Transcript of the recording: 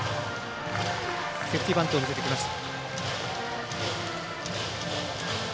セーフティーバントを見せてきました。